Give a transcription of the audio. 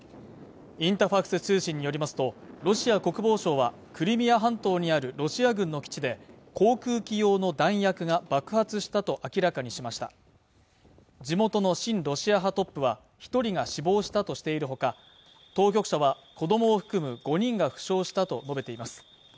インタファクス通信によりますとロシア国防省はクリミア半島にあるロシア軍の基地で航空機用の弾薬が爆発したと明らかにしました地元の親ロシア派トップは一人が死亡したとしているほか当局者は子どもを含む５人が負傷したと述べています